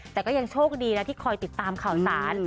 แต่ก็ยังโชคดีนะที่คอยติดตามข่าวสาร